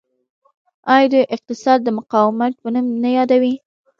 آیا دوی اقتصاد د مقاومت په نوم نه یادوي؟